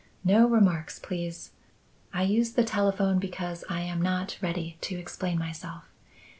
No remarks, please. I use the telephone because I am not ready to explain myself.